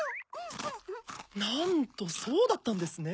なんとそうだったんですね！